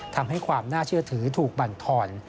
ทำให้ความน่าเชื่อถือถูกบรรทอน